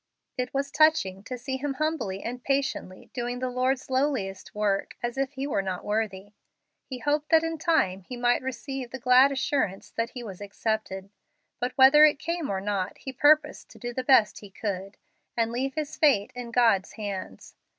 It was touching to see him humbly and patiently doing the Lord's lowliest work, as if he were not worthy. He hoped that in time he might receive the glad assurance that he was accepted; but whether it came or not, he purposed to do the best he could, and leave his fate in God's hands.